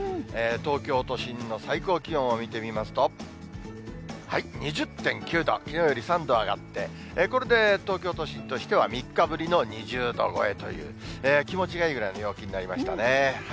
東京都心の最高気温を見てみますと、２０．９度、きのうより３度上がって、これで東京都心としては３日ぶりの２０度超えという、気持ちがいいぐらいの陽気になりましたね。